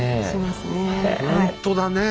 ほんとだねえ。